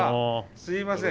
すみません